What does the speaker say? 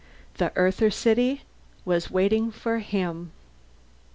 The Earther city was waiting for him.